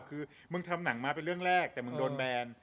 คือมึงทำหนังมาเป็นเรื่องแรกแต่มึงโดนแบน